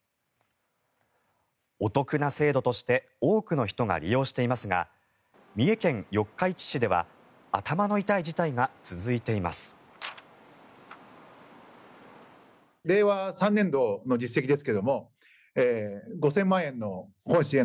お得な制度として多くの人が利用していますが三重県四日市市では頭の痛い事態が続いています。